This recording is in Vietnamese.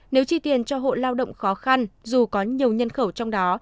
nếu chi tiền cho hộ lao động khó khăn dù có nhiều nhân khẩu trong đó